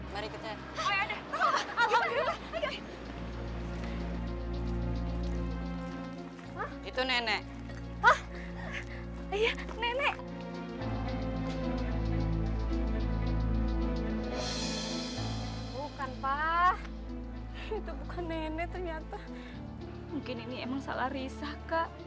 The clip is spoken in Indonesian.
mungkin ini emang salah risa kak